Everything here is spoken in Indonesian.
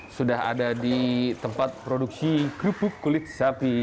sudah ada di tempat produksi kerupuk kulit sapi